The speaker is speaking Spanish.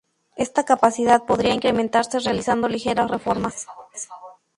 Esta capacidad podría incrementarse realizando ligeras reformas.